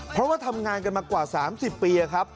เพราะว่าทำงานกันมากว่า๓๐ปีครับ